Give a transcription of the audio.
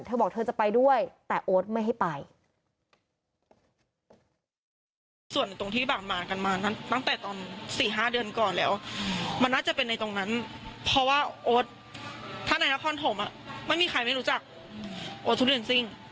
เธอบอกเธอจะไปด้วยแต่โอ๊ตไม่ให้ไป